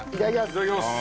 いただきます。